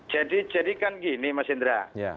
jadi kan gini mas indra